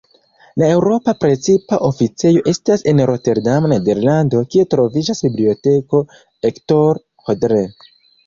La eŭropa precipa oficejo estas en Roterdamo, Nederlando, kie troviĝas Biblioteko Hector Hodler.